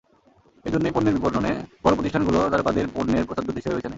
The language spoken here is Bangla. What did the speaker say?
এ জন্যই পণ্যের বিপণনে বড় প্রতিষ্ঠানগুলো তারকাদের পণ্যের প্রচারদূত হিসেবে বেছে নেয়।